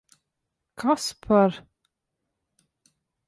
Kas par...